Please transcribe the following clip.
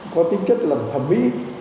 có tính chất làm thẩm mỹ